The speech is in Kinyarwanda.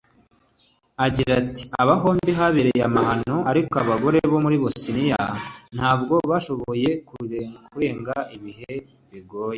Agira ati “Aha hombi habereye amahano ariko abagore bo muri Bosnie ntabwo bashoboye kurenga ibihe bigoye